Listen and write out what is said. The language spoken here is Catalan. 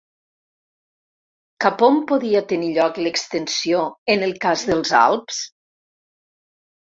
Cap on podia tenir lloc l'extensió en el cas dels Alps?